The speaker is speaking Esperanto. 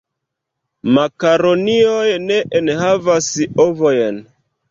Makaronioj ne enhavas ovojn.